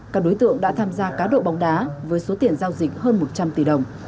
các đối tượng đã tham gia cá độ bóng đá với số tiền giao dịch hơn một trăm linh tỷ đồng